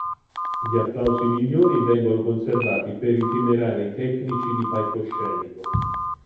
Gli applausi migliori vengono conservati per i temerari tecnici di palcoscenico.